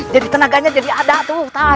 jadi tenaganya jadi ada tuh